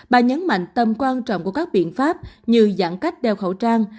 bà nhấn mạnh tầm quan trọng của các biện pháp như giãn cách đeo khẩu trang